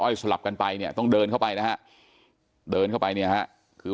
สลับกันไปเนี่ยต้องเดินเข้าไปนะฮะเดินเข้าไปเนี่ยฮะคือ